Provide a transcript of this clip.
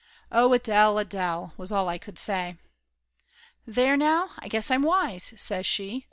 "Oh, Adele, Adele!" was all I could say. "There now, I guess I'm wise!" says she.